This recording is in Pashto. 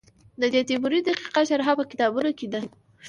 د دې تیورۍ دقیقه شرحه په کتابونو کې ده.